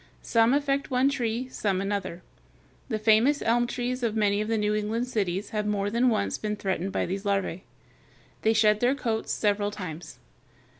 Some affect one tree, some another. The famous elm trees of many of the New England cities have more than once been threatened by these larvæ. They shed their coats several times.